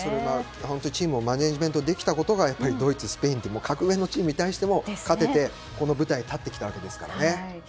本当にチームをマネージメントできたことがドイツ、スペインと格上のチームに対しても勝ててこの舞台に立ってきたわけですからね。